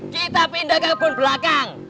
kita pindah kebun belakang